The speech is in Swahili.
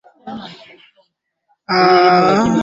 mfisadi apatikana na yule ambaye mwenye sio mfisadi